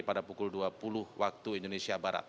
pada pukul dua puluh waktu indonesia barat